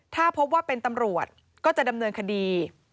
ถ้าพบว่าเป็นตำรวจก็จะดำเนินคดี